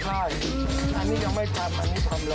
ใช่อันนี้ยังไม่ทำอันนี้ทำเลย